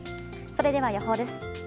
それでは、予報です。